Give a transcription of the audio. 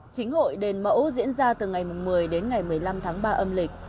chính hội đền mẫu diễn ra từ ngày một mươi đến ngày một mươi năm tháng ba âm lịch